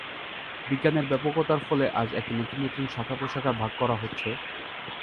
বিজ্ঞানের ব্যাপকতার ফলে আজ একে নতুন নতুন শাখা প্রশাখায় ভাগ করা হচ্ছে।